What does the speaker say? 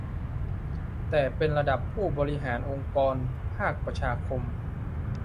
แต่เป็นระดับผู้บริหารองค์กรภาคประชาสังคม